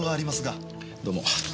どうも。